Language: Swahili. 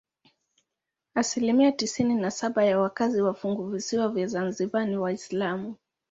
Asilimia tisini na saba ya wakazi wa funguvisiwa vya Zanzibar ni Waislamu.